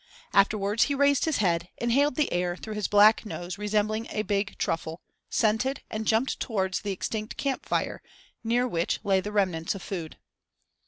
Afterwards he raised his head, inhaled the air through his black nose resembling a big truffle, scented, and jumped towards the extinct camp fire, near which lay the remnants of food.